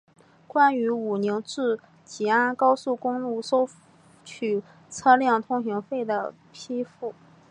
关于武宁至吉安高速公路收取车辆通行费的批复